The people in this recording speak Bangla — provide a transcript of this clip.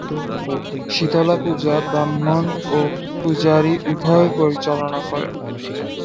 শীতলা পূজা ব্রাহ্মণ ও পূজারী উভয়ই পরিচালনা করেন।